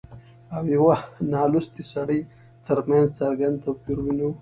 او يوه نالوستي سړي ترمنځ څرګند توپير وينو